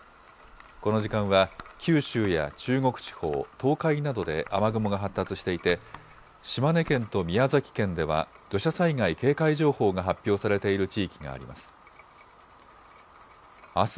この時間は九州や中国地方、東海などで雨雲が発達していて島根県と宮崎県では土砂災害警戒情報が発表されている地域があります。